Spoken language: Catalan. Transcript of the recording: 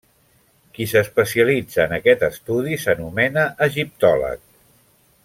Qui s'especialitza en aquest estudi s'anomena egiptòleg.